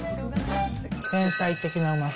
天才的なうまさ。